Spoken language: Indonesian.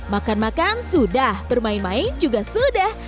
makan makan sudah bermain main juga sudah